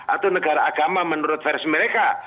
atau negara agama menurut versi mereka